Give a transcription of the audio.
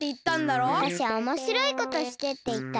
わたしはおもしろいことしてっていったの。